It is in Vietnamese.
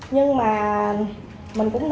nhưng mà mình cũng nên